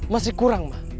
masih kurang ma